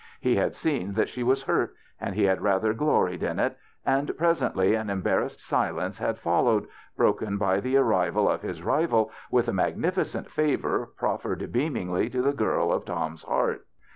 He had seen that she was hurt and he had rather gloried in it, and presently an em barrassed silence had followed, broken by the • "arrival of his rival with a magnificent favor proffered beamingly to the girl of Tom's heart.